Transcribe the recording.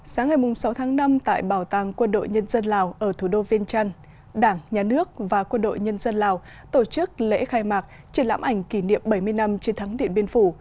sáng ngày sáu tháng năm tại bảo tàng quân đội nhân dân lào ở thủ đô viên trăn đảng nhà nước và quân đội nhân dân lào tổ chức lễ khai mạc triển lãm ảnh kỷ niệm bảy mươi năm chiến thắng điện biên phủ